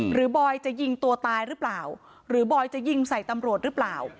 บอยจะยิงตัวตายหรือเปล่าหรือบอยจะยิงใส่ตำรวจหรือเปล่า